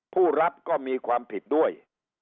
ผู้รับก็มีความผิดด้วย